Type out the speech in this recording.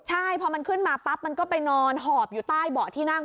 ใช่พอมันขึ้นมาปั๊บมันก็ไปนอนหอบอยู่ใต้เบาะที่นั่ง